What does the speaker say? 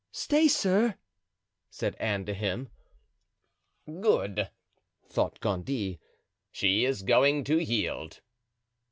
"Stay, sir," said Anne to him. "Good," thought Gondy, "she is going to yield."